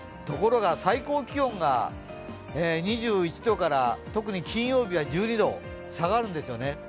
ところが最高気温が２１度から特に金曜日は１２度、下がるんですよね。